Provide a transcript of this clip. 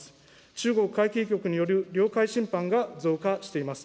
中国海警局による領海侵犯が増加しています。